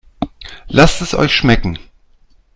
Lasst es euch schmecken!